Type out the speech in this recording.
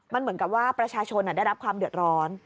มันเหมือนกับว่าประชาชนได้รับความเดือดร้อน